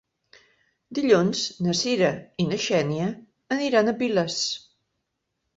Dilluns na Sira i na Xènia aniran a Piles.